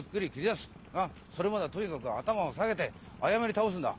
まあそれまではとにかく頭を下げて謝り倒すんだ。